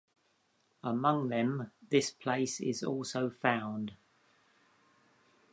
Among them this place is also found.